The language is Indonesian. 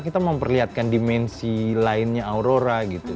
kita memperlihatkan dimensi lainnya aurora gitu